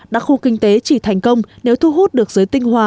đặc khu kinh tế chỉ thành công nếu thu hút được giới tinh hoa